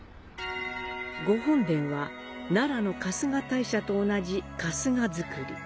御本殿は、奈良の春日大社と同じ春日造。